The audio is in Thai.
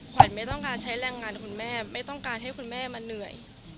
ไม่ต้องการใช้แรงงานคุณแม่ไม่ต้องการให้คุณแม่มาเหนื่อย